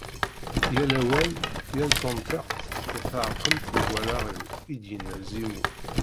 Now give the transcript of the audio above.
Yal awal, yal tunṭiqt, d taεkemt deg wallaɣ-iw, i d-yenna Zimu.